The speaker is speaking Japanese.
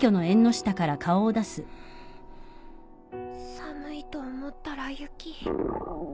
寒いと思ったら雪